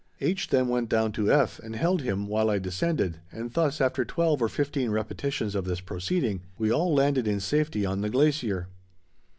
H. then went down to F. and held him while I descended, and thus after twelve or fifteen repetitions of this proceeding we all landed in safety on the glacier.